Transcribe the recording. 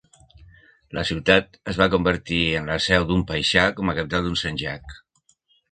La ciutat es va convertir en la seu d'un paixà com a capital d'un sanjak.